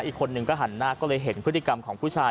อีกคนนึงก็หันหน้าก็เลยเห็นพฤติกรรมของผู้ชาย